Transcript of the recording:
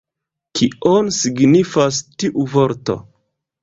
Kion signifas tiu vorto?